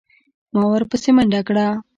ما ورپسې منډه کړه.